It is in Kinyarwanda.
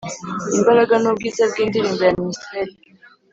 imbaraga nubwiza bwindirimbo ya minstrel?